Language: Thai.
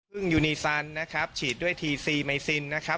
ยูนีซันนะครับฉีดด้วยทีซีไมซินนะครับ